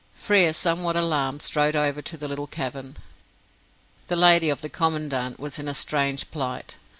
Frere, somewhat alarmed, strode over to the little cavern. The "lady of the Commandant" was in a strange plight.